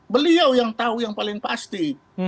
beliau yang tahu yang paling pasti